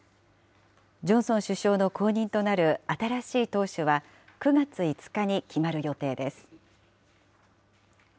ジョンソン首相の後任となる新しい党首は、９月５日に決まる予定です。